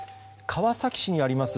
川崎市にあります